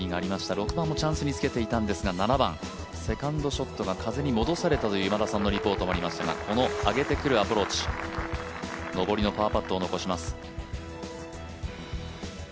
６番もチャンスにつけていたんですが７番、セカンドショットが風に戻されたという今田さんのレポートもありまたがこの上げてくるアプローチ、上りのパーパットを残します。